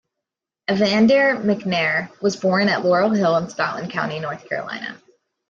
Evander McNair was born at Laurel Hill in Scotland County, North Carolina.